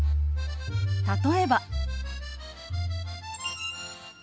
例えば。